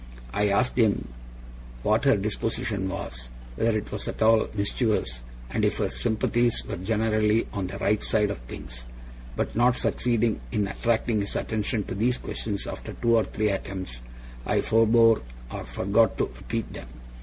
I asked him what her disposition was: whether it was at all mischievous, and if her sympathies were generally on the right side of things: but, not succeeding in attracting his attention to these questions after two or three attempts, I forbore or forgot to repeat them.